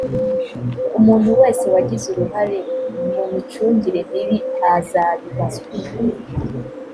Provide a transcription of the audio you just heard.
umuntu wese wagize uruhare mu micungire mibi azabibazwa